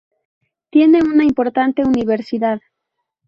Tiene una importante universidad.